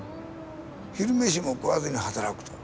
昼飯も食わずに働くと。